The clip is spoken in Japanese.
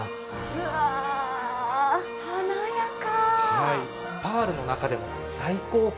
うわあ華やか！